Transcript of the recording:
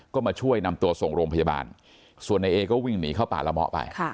ก็มาช่วยนำตัวส่งโรงพยาบาลส่วนในเอก็วิ่งหนีเข้าป่าละเมาะไป